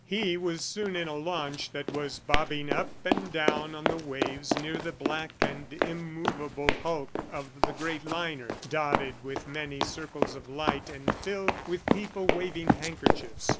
... He was soon in a launch that was bobbing up and down on the waves near the black and immovable hulk of the great liner, dotted with many circles of light and filled with people waving handkerchiefs.